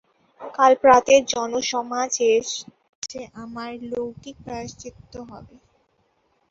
কাল প্রাতে জনসমাজের কাছে আমার লৌকিক প্রায়শ্চিত্ত হবে।